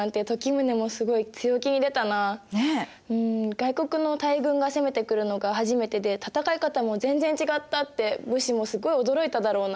外国の大軍が攻めてくるのが初めてで戦い方も全然違ったって武士もすっごい驚いただろうな。